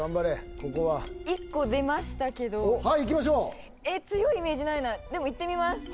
ここは１個出ましたけどはいいきましょうえっ強いイメージないなでもいってみます